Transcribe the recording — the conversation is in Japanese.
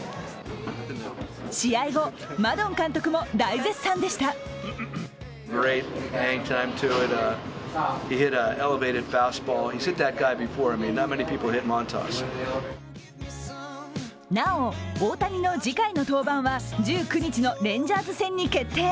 試合後、マドン監督も大絶賛でしたなお、大谷の次回の登板は１９日のレンジャーズ戦に決定。